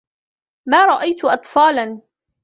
ما رأيت أطفالاََ.